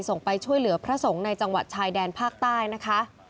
ไปช่วยเหลือพระสงฆ์ในจังหวัดชายแดนภาคใต้นะคะ